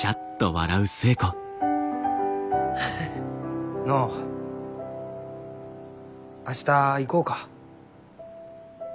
フフ。のう明日行こうか。